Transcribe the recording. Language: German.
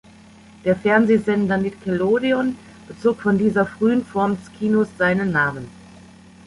Der Fernsehsender Nickelodeon bezog von dieser frühen Form des Kinos seinen Namen.